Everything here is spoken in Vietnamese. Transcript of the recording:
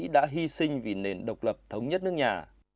đã hy sinh vì nền độc lập thống nhất nước nhà